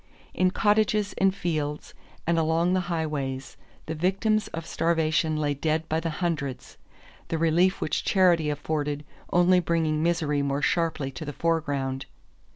In cottages and fields and along the highways the victims of starvation lay dead by the hundreds, the relief which charity afforded only bringing misery more sharply to the foreground.